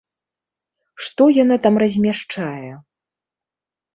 Што яна там размяшчае?